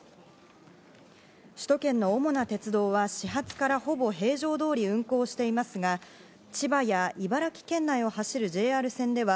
首都圏の主な鉄道は始発からほぼ平常通り運行していますが、千葉や茨城県内を走るＪＲ線では